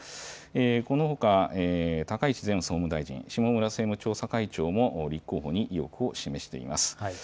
このほか、高市前総務大臣、下村政務調査会長も立候補に意欲を示しています。